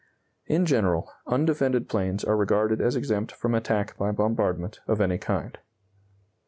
In general, undefended places are regarded as exempt from attack by bombardment of any kind.